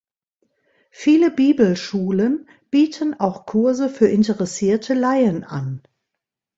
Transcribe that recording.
Viele Bibelschulen bieten auch Kurse für interessierte Laien an.